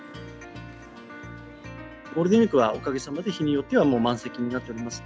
ゴールデンウィークはおかげさまで、日によってはもう、満席になっております。